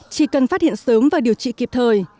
chỉ cần phát hiện sớm và điều trị kịp thời